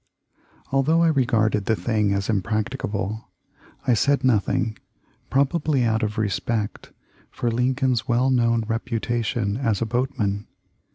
Although I regarded the thing as impracticable I said nothing, probably out of respect for Lincoln's well known reputation as a boatman.